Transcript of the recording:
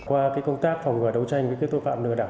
qua công tác phòng ngừa đấu tranh với tội phạm lừa đảo